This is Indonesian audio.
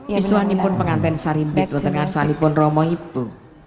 miswani pun pengantin sarimpet wotengarsani pun romo ibu